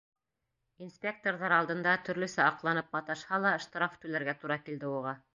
Инспекторҙар алдында төрлөсә аҡланып маташһа ла, штраф түләргә тура килде уға.